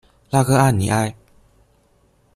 拉戈阿尼埃。